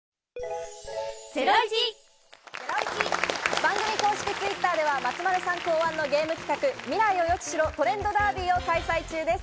番組公式Ｔｗｉｔｔｅｒでは松丸さん考案のゲーム企画「未来を予知しろ！トレンドダービー」を開催中です。